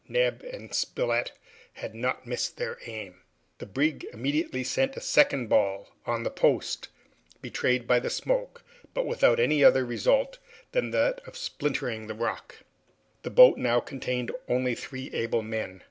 Neb and Spilett had not missed their aim. The brig immediately sent a second ball on the post betrayed by the smoke, but without any other result than that of splintering the rock. The boat now contained only three able men.